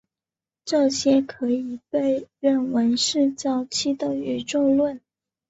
这些可以被认为是早期的宇宙论。